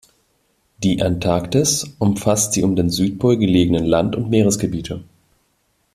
Die Antarktis umfasst die um den Südpol gelegenen Land- und Meeresgebiete.